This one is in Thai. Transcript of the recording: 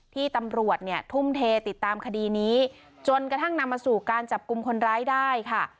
ที่ตำรวจเนี่ยทุ่มเทติดตามคดีนี้จนกระทั่งนำมาสู่การจับกลุ่มคนร้ายได้ค่ะ